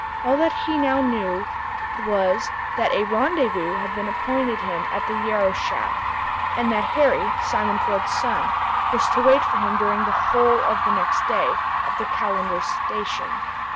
All that he now knew was, that a rendezvous had been appointed him at the Yarrow shaft, and that Harry, Simon Ford's son, was to wait for him during the whole of the next day at the Callander station.